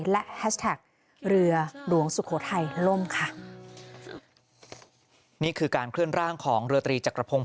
และแฮชแท็กเรือหลวงสุโขทัยล่มค่ะนี่คือการเคลื่อนร่างของเรือตรีจักรพงศ